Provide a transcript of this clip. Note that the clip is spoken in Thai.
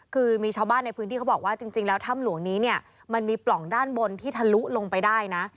คือมีชาวบ้านในพื้นที่เขาบอกว่าจริงแล้วถ้ำหลวงนี้เนี่ยมันมีปล่องด้านบนที่ทะลุลงไปได้นะ